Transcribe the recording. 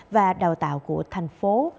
và đào tạo của thành phố